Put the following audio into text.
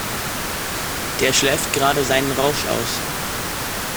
Der schläft gerade seinen Rausch aus.